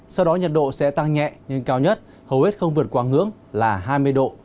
sau đó nhiệt độ sẽ tăng nhẹ nhưng cao nhất hầu hết không vượt qua ngưỡng là hai mươi độ